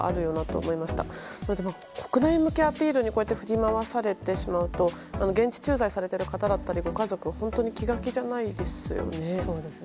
こうした国内向けアピールに振り回されてしまうと現地駐在されている方やご家族は本当に気が気じゃないですよね。